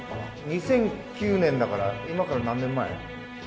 ２００９年だから今から何年前？